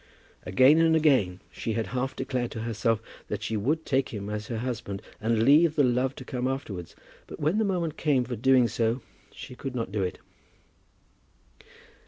Again and again she had half declared to herself that she would take him as her husband and leave the love to come afterwards; but when the moment came for doing so, she could not do it.